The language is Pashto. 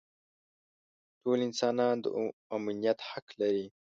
ټول انسانان د امنیت حق لري.